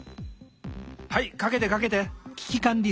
はいかけてかけて。